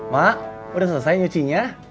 mak udah selesai nyuci nya